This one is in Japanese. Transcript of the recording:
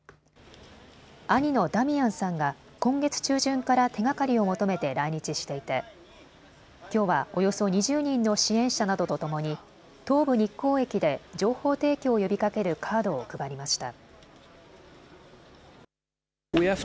兄のダミアンさんが今月中旬から手がかりを求めて来日していてきょうはおよそ２０人の支援者などとともに東武日光駅で情報提供を呼びかけるカードを配りました。